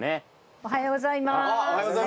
おはようございます。